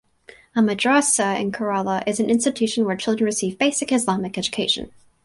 A madrasa in Kerala is an institution where children receive basic Islamic education.